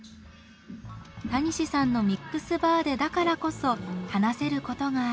たにしさんのミックスバーでだからこそ話せることがある。